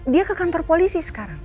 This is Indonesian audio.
dia ke kantor polisi sekarang